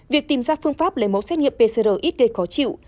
việc tìm ra phương pháp lấy mẫu xét nghiệm pcr ít gây khó chịu